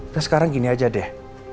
terus sekarang gini aja deh